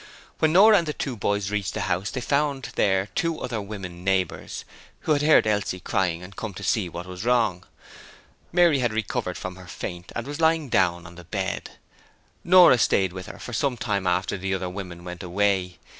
When Nora and the two boys reached the house they found there two other women neighbours, who had heard Elsie crying and had come to see what was wrong. Mary had recovered from her faint and was lying down on the bed. Nora stayed with her for some time after the other women went away.